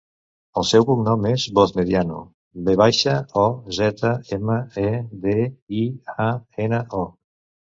El seu cognom és Vozmediano: ve baixa, o, zeta, ema, e, de, i, a, ena, o.